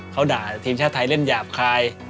เขาด่าทีมชาติไทยเล่นหยาบคาย